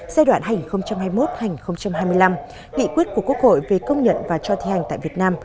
giai đoạn hành hai mươi một hai nghìn hai mươi năm nghị quyết của quốc hội về công nhận và cho thi hành tại việt nam